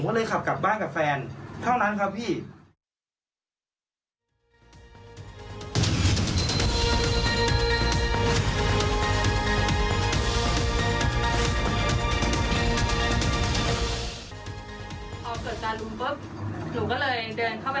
หนูก็เลยเดินหาแฟนเพื่อให้ออกมามาราเภา